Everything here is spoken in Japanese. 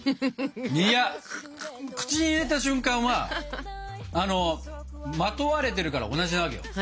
いや口に入れた瞬間はまとわれてるから同じなわけよ。